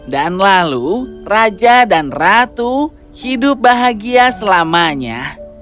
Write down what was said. dan lalu raja dan ratu hidup bahagia selamanya